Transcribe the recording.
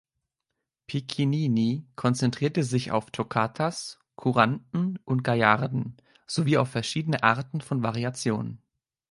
Piccinini konzentrierte sich auf Toccatas, Couranten und Gaillarden sowie auf verschiedene Arten von Variationen.